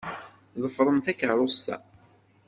Ḍefṛem takeṛṛust-a.